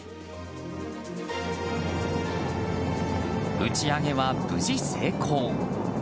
打ち上げは無事成功。